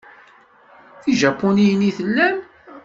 D ijapuniyen i tellam?